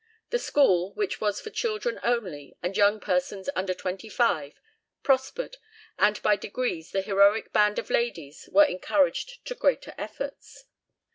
The school, which was for children only and young persons under twenty five, prospered, and by degrees the heroic band of ladies were encouraged to greater efforts.